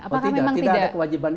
tidak tidak ada kewajiban itu